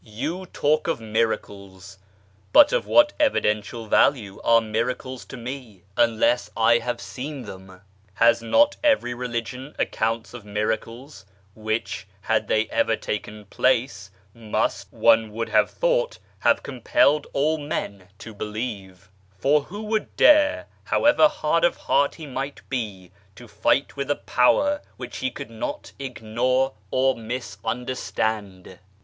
You talk of miracles ; but of what evidential value are miracles to me, unless I have seen them ? Has not every religion accounts of miracles, which, had they ever taken place, must, one would have thought, have compelled all men to believe ; for who would dare, however hard of heart he might be, to fight with I Power which he could not ignore or misunderstand